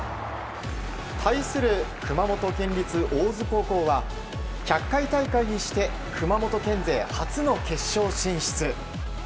対する熊本県立大津高校は１００回大会にして熊本県勢初の決勝進出。